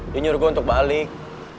di nyuruh gue untuk balik